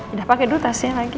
udah pake dulu tasnya lagi